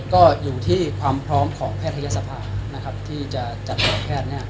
ก็อยู่ที่ความพร้อมของแพทย์ทายสภานะครับที่จะจัดแอดแพทย์เนี้ย